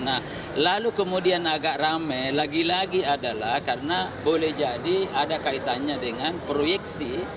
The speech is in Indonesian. nah lalu kemudian agak rame lagi lagi adalah karena boleh jadi ada kaitannya dengan proyeksi